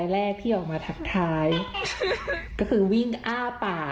มีแต่เสียงตุ๊กแก่กลางคืนไม่กล้าเข้าห้องน้ำด้วยซ้ำ